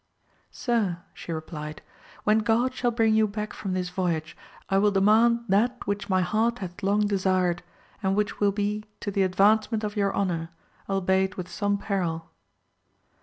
Sir, she replied, when God shall bring you back from this voyage I will demand that which my heart hath long desired, and which will be to the advancement of your honour, albeit with some peril.